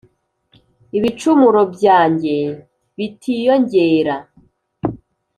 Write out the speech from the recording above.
ibicumuro byanjye bitiyongera,